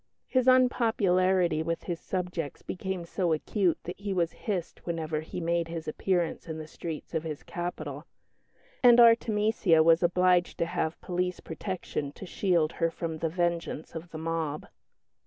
His unpopularity with his subjects became so acute that he was hissed whenever he made his appearance in the streets of his capital; and Artemesia was obliged to have police protection to shield her from the vengeance of the mob.